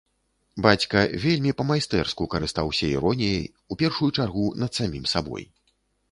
Бацька вельмі па-майстэрску карыстаўся іроніяй, у першую чаргу над самім сабой.